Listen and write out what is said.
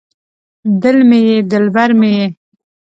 دل مې یې دلبر مې یې